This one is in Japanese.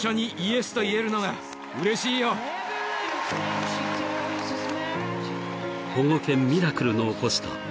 ［保護犬ミラクルの起こしたミラクル］